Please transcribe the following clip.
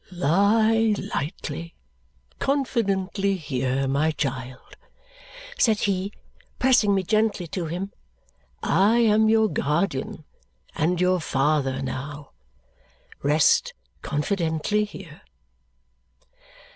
"Lie lightly, confidently here, my child," said he, pressing me gently to him. "I am your guardian and your father now. Rest confidently here."